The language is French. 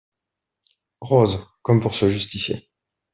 Rose , comme pour se justifier.